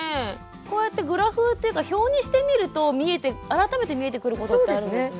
こうやってグラフっていうか表にしてみると改めて見えてくることってあるんですね。